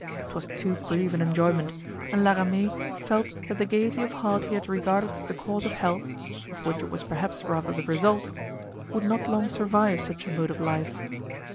'Twas too brief an enjoyment, and La Ramee felt that the gayety of heart he had regarded as the cause of health (of which it was perhaps rather the result) would not long survive such a mode of life.